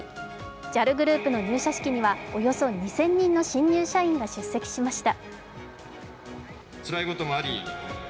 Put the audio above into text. ＪＡＬグループの入社式にはおよそ２０００人の新入社員が出席しました。